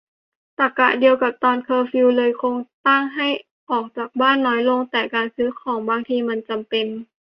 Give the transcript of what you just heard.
ตรรกะเดียวกับตอนเคอร์ฟิวเลย คงตั้งให้ออกจากบ้านน้อยลง แต่การซื้อของบางทีมันจำเป็น